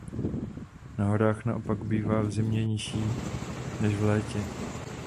Na horách naopak bývá v zimě nižší než v létě.